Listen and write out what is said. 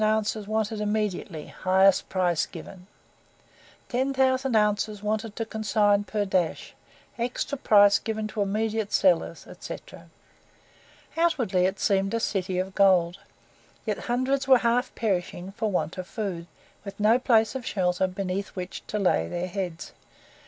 wanted immediately; highest price given;" "10,000 oz. want to consign per ; extra price given to immediate sellers," &c. Outwardly it seemed a city of gold, yet hundreds were half perishing for want of food, with no place of shelter beneath which to lay their heads.